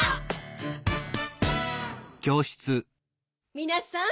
みなさん。